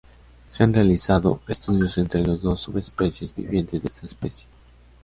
Se han realizado estudios entre las dos subespecies vivientes de esta especie.